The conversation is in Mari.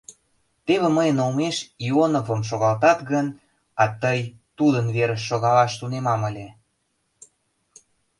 Теве мыйын олмеш Ионовым шогалтат гын, а тый тудын верыш шогалаш тунемам ыле.